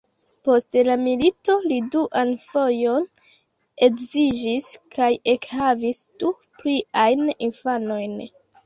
Post la milito li duan fojon edziĝis kaj ekhavis du pliajn infanojn.